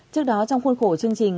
trước đó trong khuôn khổ chương trình